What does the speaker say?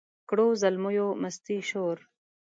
کړو زلمیو مستي شور